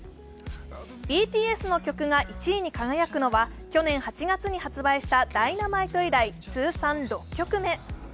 ＢＴＳの曲が１位に輝くのは去年８月に発売した「Ｄｙｎａｍｉｔｅ」以来、通算６曲目。